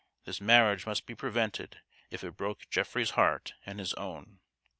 This marriage must be prevented if it broke Geoffrey's heart and his own.